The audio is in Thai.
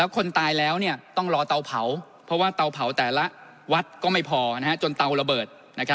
คนตายแล้วต้องรอเตาเผาเพราะว่าเตาเผาแต่ละวัดก็ไม่พอจนเตาระเบิด